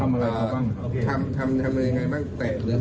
ทำอะไรยังไงบ้างแตะหรือต่อยยังไงบ้าง